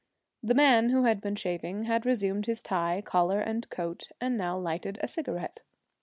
The man who had been shaving had resumed his tie, collar, and coat, and now lighted a cigarette.